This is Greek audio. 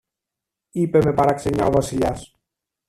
είπε με παραξενιά ο Βασιλιάς